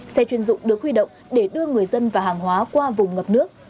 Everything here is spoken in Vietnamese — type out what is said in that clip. xe chuyên dụng được huy động để đưa người dân và hàng hóa qua vùng ngập nước